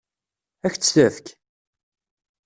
Ad k-tt-tefk?